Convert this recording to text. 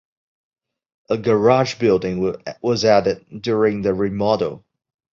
A garage building was added during the remodel.